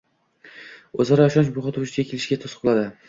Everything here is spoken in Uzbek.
o‘zaro ishonch muhiti vujudga kelishiga to‘siq bo‘ladi.